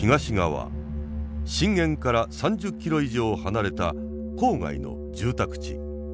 震源から３０ｋｍ以上離れた郊外の住宅地。